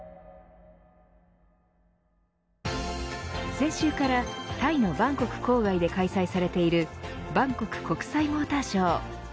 先週からタイのバンコク郊外で開催されているバンコク国際モーターショー。